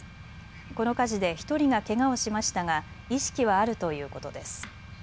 この火事で１人がけがをしましたが意識はあるということです。